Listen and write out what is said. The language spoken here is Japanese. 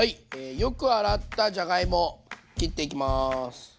よく洗ったじゃがいも切っていきます。